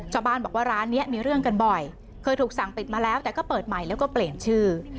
ชาวบ้านบอกว่าร้านนี้มีเรื่องกันบ่อยเคยถูกสั่งปิดมาแล้วแต่ก็เปิดใหม่แล้วก็เปลี่ยนชื่อ